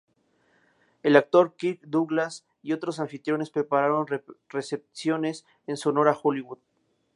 El actor Kirk Douglas y otros anfitriones prepararon recepciones en su honor en Hollywood.